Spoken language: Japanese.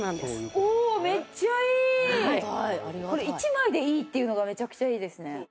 おおめっちゃいい！っていうのがめちゃくちゃいいですね。